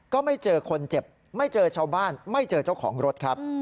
ก็ไม่เจอคนเจ็บไม่เจอชาวบ้านไม่เจอเจ้าของรถครับ